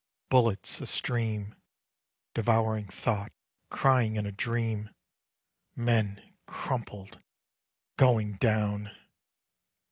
_" Bullets a stream. Devouring thought crying in a dream. Men, crumpled, going down....